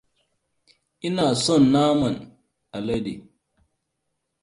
Ina son naman alade!